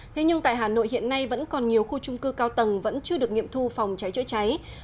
thế nhưng tại hà nội hiện nay vẫn còn nhiều khu trung cư cao tầng vẫn chưa được nghiệm thu phòng cháy chữa cháy